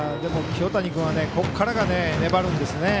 清谷君はここからが粘るんですね。